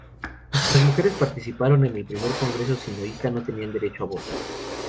Aunque las mujeres participaron en el Primer Congreso Sionista, no tenían derecho a voto.